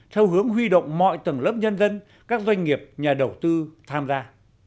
theo hướng huy động mọi tầng lớp nhân dân các doanh nghiệp nhà đầu tư tham gia